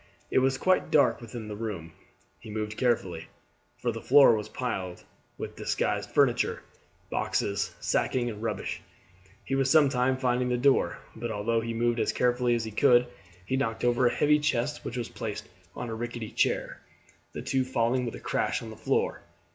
It was quite dark within the room. He moved carefully, for the floor was piled with disused furniture, boxes, sacking, and rubbish. He was some time finding the door, but although he moved as carefully as he could he knocked over a heavy chest which was placed on a rickety chair, the two falling with a crash on the floor.